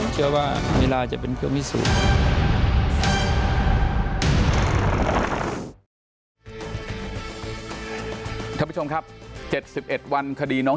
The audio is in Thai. ครับพี่ชอบครับ๗๑วันวันน้อง